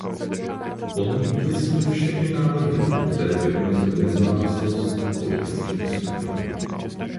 Odmítli jsme všechny návrhy, které by omezily nezávislost politických skupin.